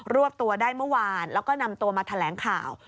วบตัวได้เมื่อวานแล้วก็นำตัวมาแถลงข่าว